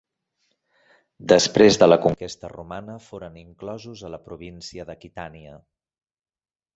Després de la conquesta romana foren inclosos a la província d'Aquitània.